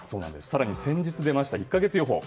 更に先日出ました１か月予報。